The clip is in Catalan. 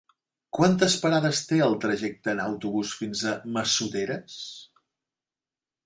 Quantes parades té el trajecte en autobús fins a Massoteres?